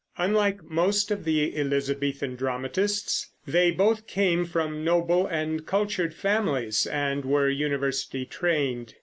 Unlike most of the Elizabethan dramatists, they both came from noble and cultured families and were university trained.